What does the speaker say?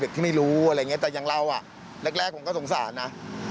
เด็กที่ไม่รู้แต่อย่างราวแปลว่าเล็กแรกจะสงสารนะ